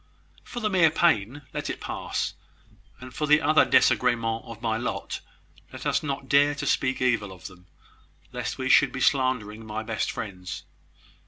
"For the mere pain, let it pass; and for the other desagremens of my lot, let us not dare to speak evil of them, lest we should be slandering my best friends.